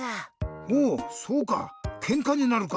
ほうそうかケンカになるか。